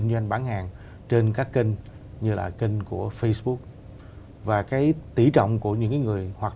nhằm đạt được hiệu quả cao nhất